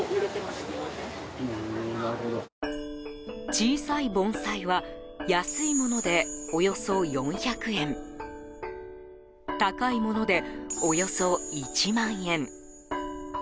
小さい盆栽は安いものでおよそ４００円高いものでおよそ１万円。